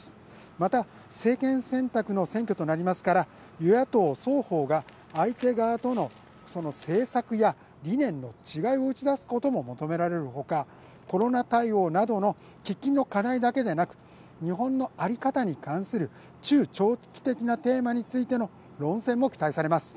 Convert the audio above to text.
また政権選択の選挙となりますから与野党双方が相手側との政策や理念の違いを打ち出すことも求められるほかコロナ対応などの喫緊の課題だけでなく日本の在り方に関する中長期的なテーマについての論戦も期待されます。